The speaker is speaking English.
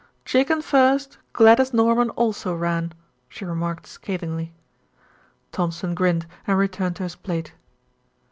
"Chicken first; Gladys Norman also ran," she remarked scathingly. Thompson grinned and returned to his plate.